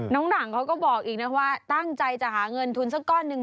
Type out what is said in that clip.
หนังเขาก็บอกอีกนะว่าตั้งใจจะหาเงินทุนสักก้อนหนึ่ง